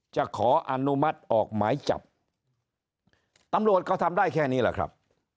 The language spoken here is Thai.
ขออนุมัติออกหมายจับตำรวจก็ทำได้แค่นี้แหละครับ